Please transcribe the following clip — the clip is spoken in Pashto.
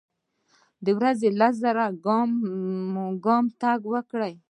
د ورځي لس زره ګامه تګ وکړئ.